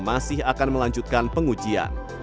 masih akan melanjutkan pengujian